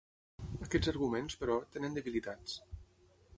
Aquests arguments, però, tenen debilitats.